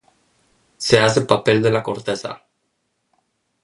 Se hace papel de la corteza.